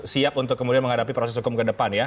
siap untuk menghadapi proses hukum ke depan